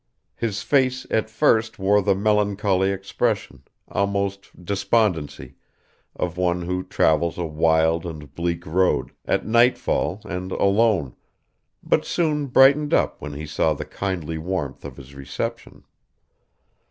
His face at first wore the melancholy expression, almost despondency, of one who travels a wild and bleak road, at nightfall and alone, but soon brightened up when he saw the kindly warmth of his reception.